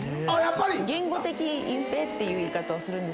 言語的隠蔽っていう言い方をする。